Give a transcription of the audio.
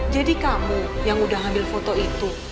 jadi kamu yang udah ngambil foto itu